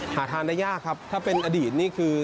หาทานได้ยากครับถ้าเป็นอดีตนี่คือ